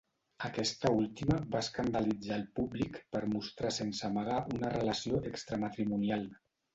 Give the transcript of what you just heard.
Aquesta última va escandalitzar el públic per mostrar sense amagar una relació extramatrimonial.